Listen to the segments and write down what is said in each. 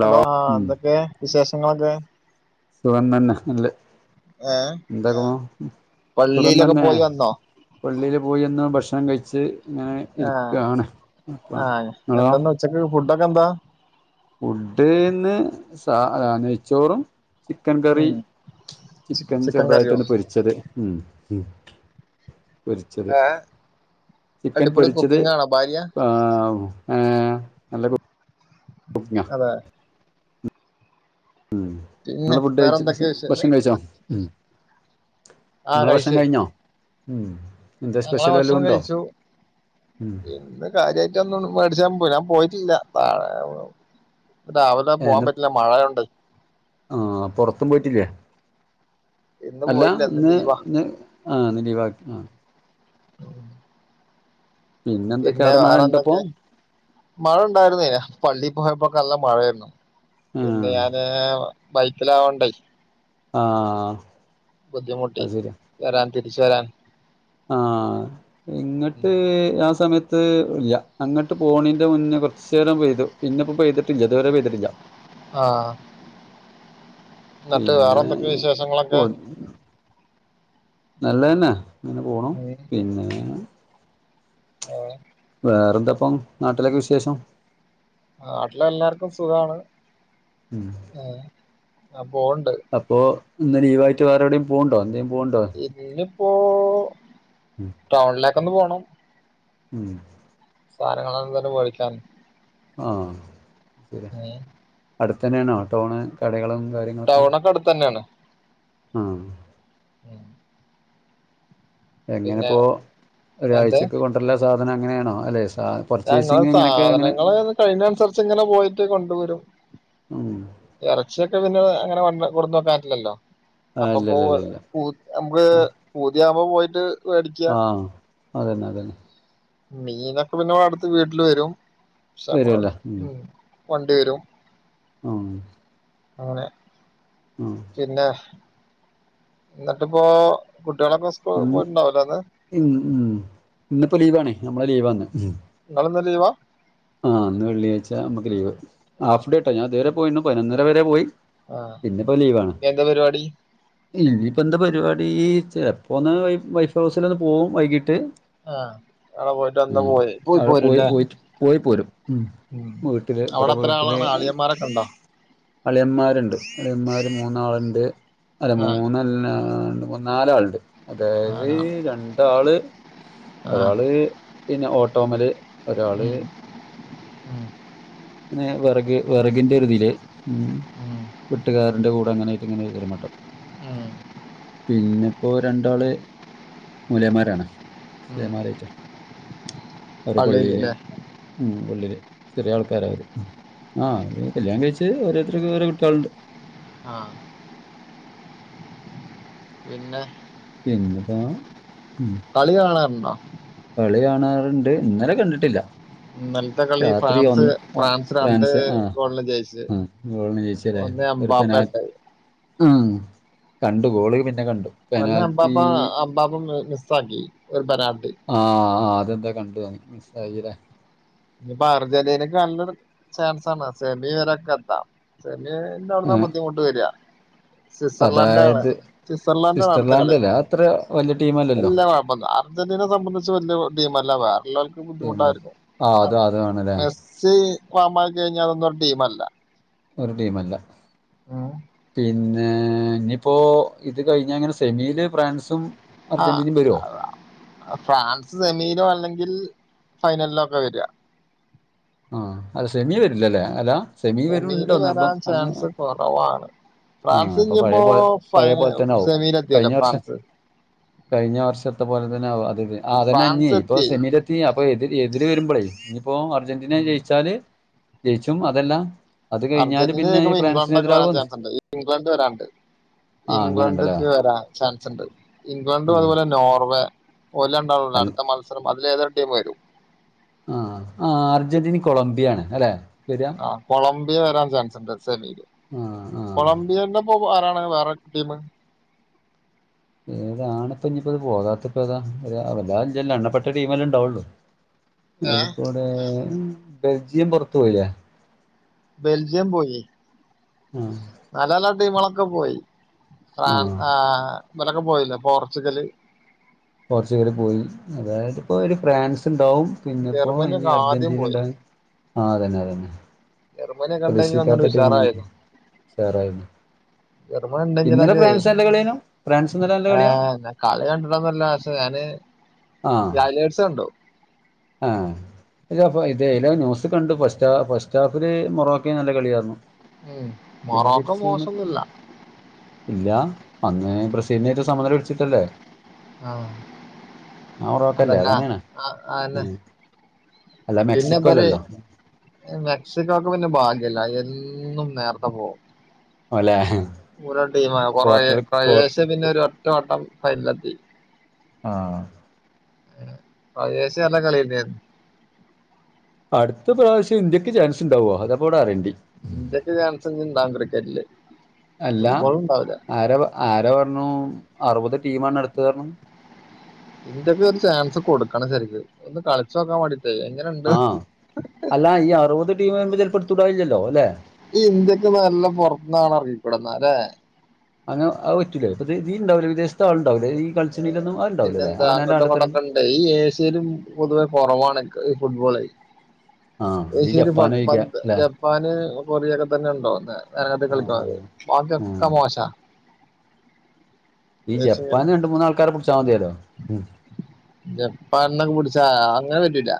Hello ആഹ് എന്തൊക്കെയാ വിശേഷ ങ്ങളൊക്കെ സുഖം തന്നെ അല്ലേ ഏ എന്തകുന്നു സുഖം പള്ളിയിലൊക്കെ തന്നെ പോയി വന്നോ പള്ളിൽ പോയി ന്ന് ഭക്ഷണം കഴിച്ച് ഇങ്ങനെ ആ ഇരിക്കാണ് ആ ങ്ങളോ എന്തെന്ന് ഉച്ചക്ക് ഫുഡെക്കന്താ ഫുഡ്‌ ന്ന് സാ നെയ്ച്ചോറും ചിക്കൻ കറി ഉം ചി- ചിക്കൻ ചെറുതായിട്ട് കറിയോ ഒന്ന് പൊരിച്ചത് മ്മ് മ്മ് പൊരിച്ചത് ഏ ചിക്കൻ അടിപൊളി പൊരിച്ചത് കുക്കിംഗ് ആണോ ഭാര്യ ആവു ഏഹ് അല്ലപോ ഞാ അതെ മ്മ് പിന്നെ നിങ്ങള് വേറെ ഫുഡ്കഴിച്ചോ എന്തൊക്കെയ വിശേഷം ഭക്ഷണം കഴിച്ചോ മ്മ് ആ നിങ്ങളെ ഭക്ഷണം കഴിച്ചേ കഴിഞ്ഞോ മ്മ് എന്തെ ഞങ്ങളെ സ്പെഷ്യൽ വല്ലോം ഭക്ഷണം ഉണ്ടോ മ്മ് കാര്യമായിട്ട് ഒന്നും പഠിച്ചാൻ പോയില്ല ഞാൻ പോയിട്ടില്ല രാവിലെ പോകാൻ പറ്റീല്ല മഴയുണ്ട് ആഹ് പുറത്തും പോയിട്ടില്ലേ ഇന്ന് അല്ല പോയില്ല ഇന്ന് ലീവാ ഇന്ന് ആഹ് ഇന്ന് ലീവാക്കി ആഹ് എന്തൊക്കെയാ പിന്നെ അവിടെ മഴ വേറെ ഇണ്ടപ്പോ എന്തൊക്കെയാ മഴ ഉണ്ടായിരുന്നെന പള്ളിയിൽ പോയപ്പോ ഒക്കെ നല്ല മഴ ആയിരുന്നു പിന്നെ ആഹ് ഞാന് ബൈക്കില് ആയോണ്ടേ ആഹ് ബുദ്ധിമുട്ടി അത് ശരിയാ വരാൻ തിരിച്ച് വരാൻ ആഹ് ഇങ്ങട്ട് ആ സമയത്ത് ഇല്ല അങ്ങോട്ട് പോണീന്റെ മുന്നേ കൊർച്ചേരം പെയ്തു പിന്നെപ്പൊ പെയ്തിട്ടില്ല ഇതുവരെ പെയ്തിട്ടില്ല ആഹ് എന്നിട്ട് വേറെ പിന്നെ എന്തൊക്കെ എപൊ വിശേഷങ്ങളൊക്കെ നല്ലതന്നെ ങ്ങനെ പോണു ഉം പിന്നെ ഏഹ് വേറെന്തപ്പം നാട്ടിലൊക്കെ വിശേഷം നാട്ടിലെല്ലാർക്കും സുഖാണ് ഉം ഏഹ് ആഹ് പോണ്ട് അപ്പൊ ഇന്ന് ലീവായിട്ട് വേറെ എവിടെയും പോവുണ്ടോ എന്തേം പോവുണ്ടോ ഇന്നിപ്പോ ടൗണിലേക്കൊന്ന് പോണം ഉം സാധനങ്ങളെന്തേലും വേടിക്കാൻ ആഹ് ശര്യ, ഏഹ് അടുത്തന്നേണോ ടൗണ് കടകളും കാര്യ ങ്ങളൊക്കെ, ടൗണൊക്കെ അടുത്തന്നെയാണ് ആഹ് ഉം പിന്നെ എങ്ങനെപ്പോ എന്ത് ഒരാഴ്ചക്ക് കൊണ്ടര്ലാ സാധനങ്ങനേണോ, അല്ലേയ് സാ ഞാങ്ങള സാധനങ്ങള്ന്ന് കഴിയ്ന്നൻനുസരിച്ച്ങ്ങനെ പോയിട്ട് കൊണ്ടുവരും. ഉം എറ ച്ചിയൊക്കെ പിന്നെ അങ്ങനെ വന്ന് കൊട്ന്നക്കാൻപറ്റില്ലല്ലോ. ആഹ് ഇല്ല അപ്പപ്പോ ഇല്ല ഇല്ല ഇല്ല പൂ നമുക്ക് ആഹ് പൂത്യാവുമ്പ പോയിട്ട് മേടിക്ക ആഹ് അതന്നെ അതന്നെ മീനൊക്കെ പിന്നെ വഅടുത്ത് വീട്ടില് വെരും. പക്ഷെമ്മള് വരുവല്ലേ ഉം വണ്ടി വരും ഉം അങ്ങനെ ആഹ് പിന്നെ ന്നട്ട്പ്പോ കുട്ട്യാളൊക്കെ സ്കൂ ഇന്ന് പോയിട്ടുണ്ടാവുലേ ന്ന് ഉം ഉം ഇന്നിപ്പോ ലീവാണേ നമ്മളെ ലീവാന്ന് ങ്ങള്ന്ന് ലീവാ ആഹ് ഇന്ന് വെള്ളിയാഴ്ച, അമ്മക്ക് ലീവ്. ആഹ് ഹാഫ് ഡേട്ടാ ഞാൻ ഇതുവരെ പോയിന്ന് പയ്നൊന്നര വരെ പോയി ആഹ് ഇന്ന്പ്പോ ലീവാണ് ഇനി എന്താ പരിപാടി ഇനിയിപ്പോ എന്ത പരിപാടി, ചെലപ്പോ ഒന്ന് വൈഫ് ഹൗസില് ഒന്ന് പോവും വൈകീട്ട് ആഹ് അവടെ പോയിട്ട് അന്ന് ഉം പോയി. പോയി അവിടെ പോരും ല്ലേ പോയിട്ട് പോയി പോരും. ഉം വീട്ടില് വടെ അവിടെ എത്ര വീട്ടില് ആളാണ് അളിയന്മാരൊക്കെ ഉണ്ടോ അളിയമ്മാരുണ്ട് അളിയമ്മാര് മൂന്നാള്ണ്ട് അല്ല ആഹ് മൂന്നല്ലാരണ്ട് മൂന്ന് നാലാൾ ണ്ട് അതായത് നാലാള് രണ്ടാള് ആഹ് ഒരാള് പിന്നെ ഓട്ടോമല് ഒരാള് ഉം ഉം ന്നേ വെറക് വെറകിന്റൊര് തില് ഉം വെട്ടുകാരന്റെ കൂടെ അങ്ങനെ ഇങ്ങനെ ഒര്മട്ടം ഉം പിന്നെ ഓ രണ്ടാള് മോല്യേമ്മാരാണ് ഉം ല്യേമാരായിറ്റണ്. അവര് പള്ളിയില് പള്ളീല് ല്ലേ മ് പള്ളില് ചെറിയാൾക്കാരാ അവര്. ആ ആഹ് അവര് കല്ല്യാണം കഴിച്ച് ഓരോര്ത്തര്ക്ക് ഓരോ കുട്ട്യാള്ണ്ട് ആഹ് പിന്നെ പിന്നെപ്പോ ഉം കളി കാണാറ്ണ്ടോ? കളി കാണാറ്ണ്ട്. ഇന്നലെ കണ്ടിട്ടില്ല ഇന്നലത്തെ കളി രാത്രി ഫ്രാൻസ് ഒന്ന് ഒ രണ്ട് ഫ്രാൻസ് ആ ഗോളിന് ജയിച്ച് ആ ഗോൾന് ജയ്ച്ച് ണ്ട്ലേ ഒന്ന് ഒരു എംബാപ്പ പെനാൽ ഹ് കണ്ടു ഗോള് പിന്നെ കണ്ടു ഒന്ന് പെനാൽറ്റി അംബാപ്പ അബാപ്പ മിസ് മിസ്സാക്കി ഒര് പെനാൾട്ട് ആഹ് ആ അതെന്താ കണ്ടു അന്ന് മിസ്സായിലെ ഇനിയിപ്പോ അർജൻ്റീനക്ക് നല്ലൊരു ചാൻസാണ് സെമി വരെയൊക്കെ എത്താം സെമീൻ്റെ അവിടുന്നാ ആഹ് ബുദ്ധിമുട്ട് വരുക സ്വിസർലാൻഡ് ആണ് അതായത് സിസർലാൻഡാണ് അടുത്ത സ്വിറ്റ്സർലാൻഡ് കളി അല്ലേ അത്ര വലിയ ടീമല്ലല്ലോ എല്ലാം [unintelligible] അർജന്റീനയെ സംബന്ധിച്ച് വല്ല്യ ടീമല്ല വേറള്ളോൽക്ക് ടീമ ബുദ്ധിമുട്ടായിരിക്കും ആഹ് അം അത് അതാണല്ലേ മെസ്സി ഫോമായ് കഴിഞ്ഞാ അതൊന്നും ഒരു ടീമല്ല ഒരു ടീമല്ല പിന്നേ ഇനിയിപ്പോ ഇത് കഴിഞ്ഞാ ഇങ്ങനെ സെമീല് ഫ്രാൻസും ആഹ് അർജന്റീനയും വരുവോ ഫ്രാൻസ് സെമീലോ അല്ലെങ്കിൽ ഫൈനൽലൊക്കെ വരുക ആഹ് അല്ല സെമീ വെരൂല്ലലേ അല്ല സെമീ വരും സെമീല് ഉണ്ടോ നിർബ വരാൻ അങ്ങനെ ചാൻസ് കുറവാണ് ആഹ് ഫ്രാൻസ് അപ്പ പഴയ ഇനിയിപ്പോ പോലെ പഴയ ഫൈന പോൽ തന്നെ ആവും സെമീലെത്തിയല്ലോ കഴിഞ്ഞ വർഷം ഫ്രാൻസ് കഴിഞ്ഞ വർഷത്തെ പോലെ തന്നെ ആവും അത് ആ അത് കഴിഞ്ഞേ ഫ്രാൻസ് ഇപ്പ എത്തിയേ സെമീല് എ ത്തി അപ്പോ എതിര് എതിര് വരുമ്പളെ ഇനിയിപ്പോ അർ ജന്റീന ജയിച്ചാല് ജയിച്ചും അതല്ലാ അർജന്റീന ജയിക്കുമ്പൊ ഇംഗ്ലണ്ടൊക്കെ വരാൻ ചാൻസുണ്ട് ഇനിയിപ്പോ ഇംഗ്ലണ്ട് വരാനുണ്ട് ആഹ് അങ്ങനെണ്ടല്ലേ ഇംഗ്ലണ്ട്ക്ക് വരാൻ ചാൻസുണ്ട് ഇംഗ്ലണ്ടും ആഹ് അതുപോലെ നോർവേ ഓല് ഒണ്ടാവുള്ളൂ അൽ അടുത്ത മത്സരം അതിൽ ഏതൊരു ടീമ് വരും ആഹ് ആഹ് അർജന്റീനയും കൊളംബിയാ ആണ് അല്ലേ ആഹ് കൊളംബിയ വരാൻ ചാൻസുണ്ട് സെമീല് ആഹ് ആഹ് കൊളംബിയൻ്റ ഒപ്പം ആരാണ് വേറെ ടീമ് ഏതാണ് ഇപ്പം ഇനിയിപ്പോ അത് പോകാത്തത് ഇപ്പൊ ഏതാ ഏതാ വെല്ല്യ ആളില്ലല്ലോ എണ്ണപ്പെട്ട ടീമല്ലേ ഇണ്ടാവുള്ളു ഏ അതിൽക്കൂടെ ബെൽജിയം പൊറത്ത് പോയില്ലേ ബെൽജിയം പോയി ആഹ് നല്ല നല്ല ടീമുകളൊക്കെ പോയി ഫ്രാൻ ആഹ് ആ ഇവലൊക്കെ പോയില്ലേ പോർച്ചുഗല് പോർച്ചുഗല് പോയി അതായത് ഇപ്പൊ ഒരു ഫ്രാൻസ് ഉണ്ടാവും പിന്നിപ്പോ ഇനി ജർമ്മനിയൊക്കെ ആദ്യം അർജന്റീന പോയി ഉണ്ടാവും ആ അതന്നെ അതന്നെ ജർമനിയൊക്കെ ഉണ്ടെങ്കി ഒന്നൂടെ പ്രതീക്ഷിക്കാത്ത ടീമാണ് ഉഷാറായേനെ ഉഷാറായിരുന്നു ജെർമനി ഇന്നലെ ഉണ്ടെങ്കിലൊക്കെയേ ഫ്രാൻസ് നല്ല കളിയേനു ഫ്രാൻസ് ഇന്നലെ നല്ല കളിയാ ആഹ് അതന്നെ കളി കണ്ടിട്ടൊന്നുല്ല പക്ഷെ ഞാന് ലലേഡ്സ് കണ്ടു ആഹ് ഇല്ല ഫാ ഇതേ എയിലോ ന്യൂസിൽ കണ്ടു ഫസ്റ്റാ ഫസ്റ്റാഫില് മൊറോക്കേയും നല്ല കളിയായിരുന്നു ഉം മൊറോക്കൊ മോശൊന്നുല്ല ഇല്ലാ അന്ന് ബ്രസീലിനായിറ്റ് സമനില പിടിച്ചിട്ടല്ലേ ആഹ് ആ മൊറോക്കല്ലേ അതന്നെ അതന്നെയാണ് ആഹ് അതന്നേ ഉം. അല്ല പിന്നെ മെക്സിക്കോ ഇപ്പൊ അത് അല്ലല്ലോ മെക്സിക്കോക്ക് പിന്നെ ഭാഗ്യമില്ല എന്നും നേരത്തെ പോവും അല്ലെ ഒരോ ടീമാണ് കൊറേ ക്വാർട്ടർ ക്വാർ ക്രൊയേഷ്യ പിന്നെ ഒരു ഒറ്റ വട്ടം ഫൈനലിലെത്തി ആഹ് ക്രൊയേഷ്യ നല്ല കളി തന്നെയായിരുന്നു അടുത്ത പ്രാവശ്യം ഇന്ത്യക്ക് ചാൻസ് ഉണ്ടാവോ അതാ ഇപ്പോ ഇവിടെ അറിയേണ്ടി ഇന്ത്യക്ക് ചാൻസ് ഇനി ഉണ്ടാവും ക്രിക്കറ്റില് അല്ല ഫുട്ബോൾ ഉണ്ടാവില്ല ആരാ പ ആരാ പറഞ്ഞു അറുപത് ടീമാണ് അടുത്തതെ പറഞ്ഞു ഇന്ത്യക്ക് ഒരു ചാൻസ് കൊടുക്കണം ശരിക്കും ഒന്ന് കളിച്ച് നോക്കാൻ വെണ്ടീട്ടെ ആഹ് അല്ല ഈ അറുപത് ടീം വരുമ്പോ ചിലപ്പോ എടുത്ത് കൂടായില്ലല്ലോ അല്ലെ ഈ ഇന്ത്യക്ക് നല്ല പൊറത്തൂന്ന് ആളെ എറക്കി കൂടെ എന്നാൽ അല്ലേ അങ്ങനെ അത് പറ്റില്ലേ ഇപ്പത് ദീൽ ഉണ്ടാവില്ലെ വിദേശത്ത് ആൾ ഉണ്ടാവെലെ ഈ കളിച്ചണീലൊന്നും ആ ഉണ്ടാവല്ലല്ലെ പിന്നെന്താ അവനാന്റെ അങ്ങോട്ടും നാട്ട്തെ രണ്ട് ഇങ്ങോട്ടൊക്കെ ഈ ഏഷ്യെലും പോതുവെ കോറവാണ് ഈ ഫുട്ബോളെയി ആഹ് ഈ ഏഷ്യ ഒര് ജപ്പാന് പട്ട് ചോയിക്കാ പന്ത് അല്ലെ ജപ്പ് പ്പാൻ പൊറിയൊക്കെ തന്നെ ഉണ്ടോ [unintelligible] കളിക്കാർ ആഹ് ഉം ബാക്കിയൊക്കെ മോശാ ഈ ഏഷ്യൻ ജപ്പാന് രണ്ട്‌ മൂന്ന് ആൾക്കാരെ പിടിച്ചാൽ മതിയല്ലോ ഉം ജപ്പാന്നോക്കെ പിടിച്ചാ അങ്ങനെ പറ്റുല്ല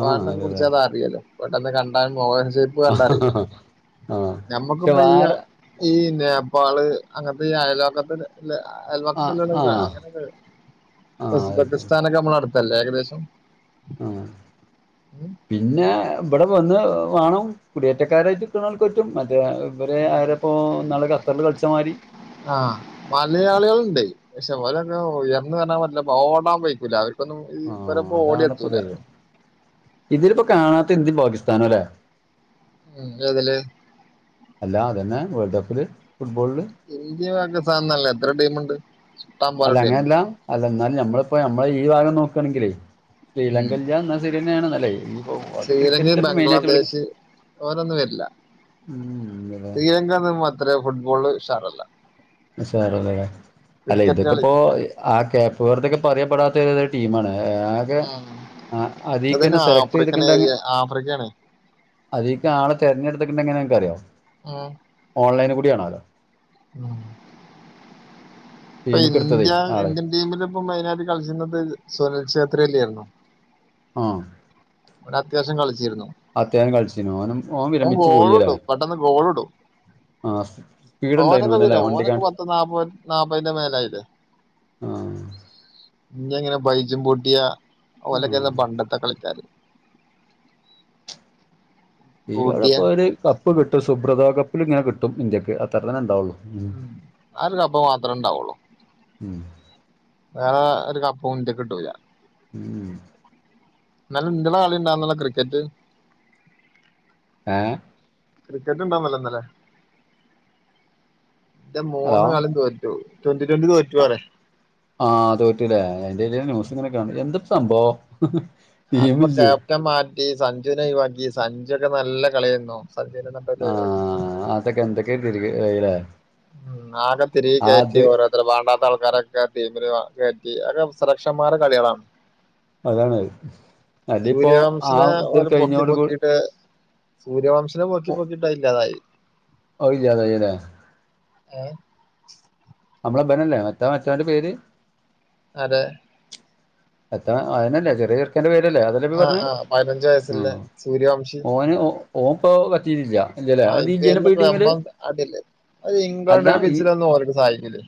ആഹ് പിടിച്ചാ അതെതെ അത് അറിയല്ലോ പെട്ടെന്ന് കണ്ടാലും മോഹൻ ഷെയിപ്പ് കണ്ട അറിയില്ലെ ആഹ് പക്ഷെ ഞമ്മക്കിപ്പൊ ഈ വേറെ ഈ നേപ്പാള് അങ്ങനത്തെ ഈ അയൽവക്കത്ത്ന്ന്ള്ള ആഹ് അയൽവക്കത്ത്ള്ള ആഹ് അങ്ങനെയൊക്ക ആഹ് ഉസ്ബസ്ക്കിസ്ഥാനൊക്കെ നമ്മളെ അടുത്തല്ലേ ഏകദേശം ആഹ് ഉം പിന്നെ ഇവിടെ വന്ന് വാണം കുടിയേറ്റക്കാരായിട്ട് നിക്ക്ണോൽക്ക് പറ്റും മറ്റേ ഇവരെ അരെ പ്പോ ഇന്നാൾ കത്തറ്‌ല് കളിച്ച മാതിരി ആഹ് മലയാളികളുണ്ട് പക്ഷെ ഓലൊക്കെ ഉയർന്ന് വരാൻ പറ്റില്ല ഓടാൻ വയിക്കൂല അവ ർക്കൊന്നും ഈ ആഹ് ഇവരൊപ്പോ ഓടിയ എത്തൂല്ല ഇതിൽപ്പോ കാണാത്ത ഇന്ത്യ പാകിസ്ഥാനും അല്ലെ ഉം ഏതിൽ അല്ലാ അതന്നെ വേൾഡ് കപ്പിൽ ഫുട്ബോളിൽ ഇന്ത്യ പാക്കിസ്ഥാനോന്നല്ല എത്ര ടീമുണ്ട് ഇഷ്ടം പോലെ അല്ല ടീം അങ്ങനെയല്ല അല്ല എന്നാലും നമ്മളിപ്പോ നമ്മളെ ഈ ഭാഗം നോക്കാണെങ്കിൽ ഉം ശ്രീലങ്കല്ല എന്നാ സെരിയന്നെയാണ്ന്നാല്ലേ ഇപ്പൊ അത് ശ്രീലങ്ക ക്രിക്കറ്റ്ൽ ഇപ്പോ മെയിനായിട്ട് വിളിക്ക ബംഗ്ലാദേശ് ഓരൊന്നും വേര്ല്ല ഉം അതെ ശ്രീലങ്കല്ല അത്രേ ഫുട്ബോള് ഉഷാറല്ല ഉഷാറല്ലല്ലേ അല്ല ക്രിക്കറ്റ് കളി ഇതൊക്കെപ്പോ ആഹ് കേപ്പ് വർത്തൊക്കെ പറയപ്പെടാത്ത എദോ ടീം ആണ് ആഹ് അതിക്കന്നെ അതന്നെ സെലക്ട് ആഫ്രിക്കൻ ചെയ്തിക്കിണ്ടങ്കിൽ ഏരിയ ആഫ്രിക്കയാണ് അതിക്ക് ആളെ തെരഞ്ഞെടുത്ത്ക്കെന്നെ എങ്ങെനെയാന്ന് നിങ്ങക്ക് അറിയോ ഓൺലൈന് കൂടിയണാല്ലോ ഇപ്പൊ ടീമ്ക്ക് ഇട്ത്തതേ ഇന്ത്യ ആള് ഇന്ത്യൻ ടീമില് ഇപ്പം മൈയിനായിട്ട് കളിച്ച്ന്നത് സോനൽ ഷെത്രെല്ലി ആണല്ലോ ആഹ് അത്യാവശ്യം കളിച്ചിരുന്നു അത്യാഹം കളിച്ചിരുന്നു ഓനും ഓൻ വിരമിച്ചു പോയില്ലേ പെട്ടെന്ന് ഗോൾ ഇടും ആഹ് സ്പീട്ണ്ടായിന് ഓനല്ലേ വണ്ടിക്കാ ഇപ്പം നാപ്പ നാപ്പതിന്റെ മേലായില്ലെ ആഹ് ഇനിയങ്ങനെ ബൈജും പൊട്ടിയ ആഹ് ഓലൊക്കെ പണ്ടത്തെ കളിക്കാര് ഇയാടെ പൂട്ടിയ ഇപ്പോ ഒരു കപ്പ് കിട്ടും സുബ്രത കപ്പിൽ ഇങ്ങനെ കിട്ടും ഇന്ത്യക്ക് അത്രന്നെ ഉണ്ടാവുള്ളൂ ഉം ആഹ് ഒരു കപ്പ് മാത്രേ ഇണ്ടാവുള്ളൂ ഉം വേറെ ഒരു കപ്പും ഇന്ത്യക്ക്‌ കിട്ടൂല ഉം ന്നാലും ഇന്ത്യടെ കളിണ്ടാർന്നല്ലെ ക്രിക്കറ്റ് ആഹ് ക്രിക്കറ്റ് ഇണ്ടാർന്നല്ലോ ഇന്നലേ ഇന്ത്യ ഹലോ മൂന്നു കാളീം തോറ്റു ട്വന്റി ട്വന്റി തോറ്റു ആഹ് തോറ്റില്ലേ എന്റെലെ ന്യൂസ് ഇങ്ങനെ കണ്ട് എന്തൊപ്പ സംഭവം അതിപ്പോ ടീമില്ലേ ക്യാപ്റ്റൻ മാറ്റി സഞ്ജുവിനെ ഒഴിവാക്കി സഞ്ജു ഒക്കെ നല്ല കളിയന്നോ സഞ്ജുവിനെ അതെ [unintelligible] ഇതൊക്കെ എന്തൊക്കെയ [unintelligible] ഉം ആഗത്തിരി [unintelligible] ഈ വേണ്ടാത്ത ആൾക്കാരൊക്കെ ടീമിന് കേറ്റി അതൊക്കെ സുരക്ഷമാരെ കളികളാണ് അതാണ് അതിപ്പോ ആ സൂര്യാവംശിനെ ഇത് ഓര പൊക്കി കഴിഞ്ഞോട് കൂ പൊക്കിട്ട് സൂര്യവംശനെ പോക്കി പോക്കിട്ടായില്ലാതായി ഓ ഇല്ലാതായില്ലെ ഏഹ് ഞമ്മളെ ഇബനെല്ലെ മറ്റാ മറ്റോന്റെ പേര് അതെ എത്തണ അതിനല്ലേ ചെറിയ ക്കെന്റെ പേരല്ലേ അതല്ലെ ഇപ്പ ഈ ആഹ് പർണ് ആഹ് പതിനഞ്ച് വയസ്സില്ലെ ആഹ് സൂര്യവംശി ഓന് ഒ ഓം ഇപ്പൊ കത്തീലില്യ ഐ പി എൽ ഒക്കെ വമ്പം അടിയല്ലേ അത് അല്ല ഇംഗ്ലണ്ടേരെ ഈ പിരിച്ച് വിടാൻ നിന്നകലെന്നെ. ഒന്നും ഓർക്ക് സഹായിക്കില്ലേ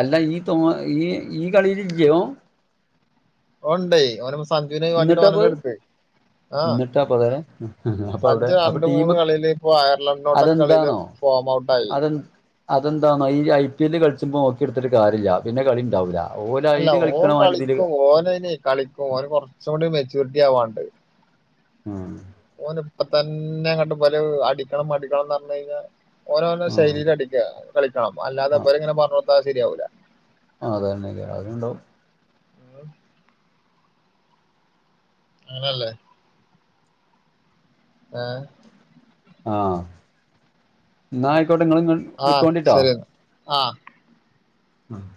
അല്ല ഈ തോ ഈ ഈ കളീല് ഇല്യെ ഓൻ ഓണ്ടേ ഓനെ സഞ്ജുവിനെ ഒഴിവാക്കിട്ട് എന്നിട്ടാപ്പ ഓനെല്ലെ ഇട്ത്ത് ആഹ് എന്നിട്ടാപ്പ അതെ അപ്പൊ അവിടെ സഞ്ജു അപ്പൊ രണ്ട് ടീം മൂന്ന് കളീല് ഇപ്പൊ അയർലണ്ട്നോട്ടൊക്കെ കളീല് ഫോമൗട്ടായി അതെന്താണ് ഐ ഐ പി എല്ല് കളിച്ചുമ്പൊ ഓക്കി ഇട്ത്തിട്ട് കാര്യല്യ പിന്നെ കളി ഇണ്ടാവൂല അല്ല ഓൻ കളിക്കും ഓന് ഐനെ കളിക്കും ഓന് കാെറച്ച് കൂടിം മെച്യൂരിറ്റി ആവാണ്ട് ഉം ഓന് ഇപ്പതന്നെ അങ്ങട്ട് പൊലൗ അടിക്കണം അടിക്കണംന്നർഞ്ഞൈഞ്ഞാ ഓന് ഓന്റെ ആഹ് ഷൈലീല് അടിക്കാ കളിക്കണം അല്ലാതെ ഇപര് ഇങ്ങനെ പർണൊട്ത്താ ശരിയാവൂല ആഹ് അതെന്നെല്ലേ അതും ഇണ്ടാവും അങ്ങനെ എല്ലേ ഏഹ് ആഹ് ഇന്നാ ഐക്കോട്ടെ ഇങ്ങള് ഇങ്ങ ആഹ് ശരിയെന്നാ ആഹ് ആഹ്